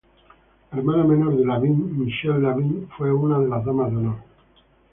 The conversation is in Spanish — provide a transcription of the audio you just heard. La hermana menor de Lavigne, Michelle Lavigne, fue una de las damas de honor.